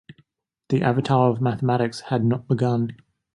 The avatar of mathematics had not begun.